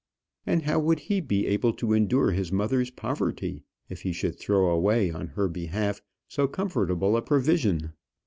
And how would he be able to endure his mother's poverty if he should throw away on her behalf so comfortable a provision?